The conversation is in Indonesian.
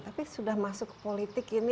tapi sudah masuk politik ini